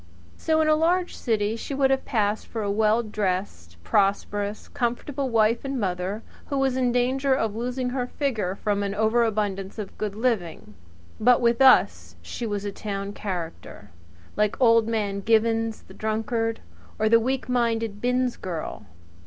So in a large city she would have passed for a well dressed prosperous, comfortable wife and mother, who was in danger of losing her figure from an overabundance of good living; but with us she was a town character, like Old Man Givins, the drunkard, or the weak minded Binns girl.